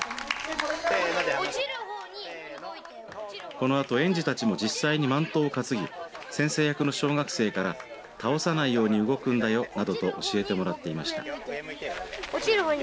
このあと、園児たちも実際に万灯を担ぎ先生役の小学生から倒さないように動くんだよなどと教えてもらっていました。